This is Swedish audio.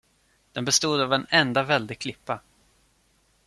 Den bestod av en enda väldig klippa.